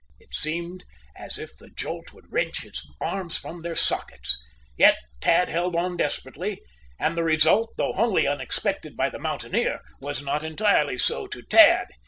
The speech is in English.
It seemed as if the jolt would wrench his arms from their sockets. Yet Tad held on desperately. And the result, though wholly unexpected by the mountaineer, was not entirely so to Tad.